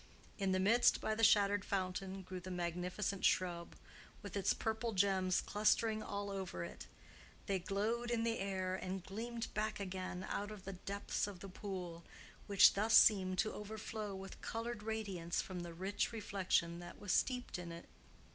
In the midst, by the shattered fountain, grew the magnificent shrub, with its purple gems clustering all over it; they glowed in the air, and gleamed back again out of the depths of the pool, which thus seemed to overflow with colored radiance from the rich reflection that was steeped in it.